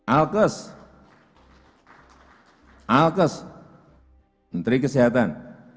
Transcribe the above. alkes alkes menteri kesehatan